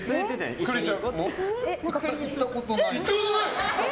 行ったことない。